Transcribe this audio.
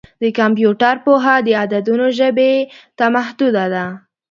د کمپیوټر پوهه د عددونو ژبې ته محدوده ده.